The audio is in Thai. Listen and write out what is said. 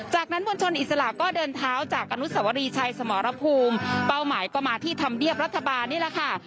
จากนั้นมวลชนอิสระก็เดินเท้าจากอนุสวรีชัยสมรภูมิเป้าหมายก็มาที่ธรรมเนียบรัฐบาลนี่แหละค่ะ